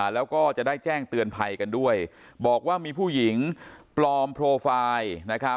แล้วก็จะได้แจ้งเตือนภัยกันด้วยบอกว่ามีผู้หญิงปลอมโปรไฟล์